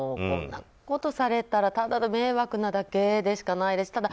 こんなことされたらただ迷惑なだけでしかないです。